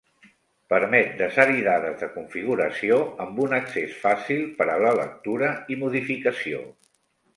Permet desar-hi dades de configuració amb un accés fàcil per a la lectura i modificació.